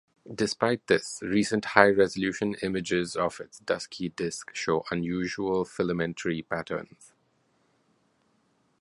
Despite this, recent high-resolution images of its dusty disk show unusual filamentary patterns.